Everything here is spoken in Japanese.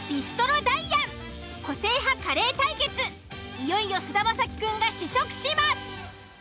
いよいよ菅田将暉くんが試食します。